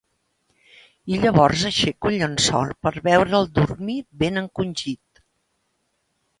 I llavors aixeco el llençol per veure'l dormir ben encongit.